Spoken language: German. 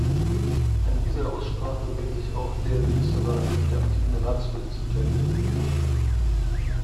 An dieser Aussprache werden sich auch der Ministerrat und der amtierende Ratsvorsitz beteiligen.